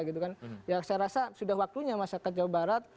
saya rasa sudah waktunya masyarakat jawa barat